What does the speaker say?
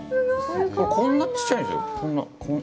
こんなちっちゃいんですよ。